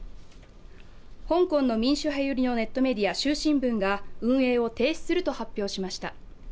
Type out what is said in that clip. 香港の民主派寄りのネットメディア、「衆新聞」が運営を停止すると発表しました。